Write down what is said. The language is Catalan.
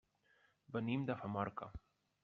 Venim de Famorca.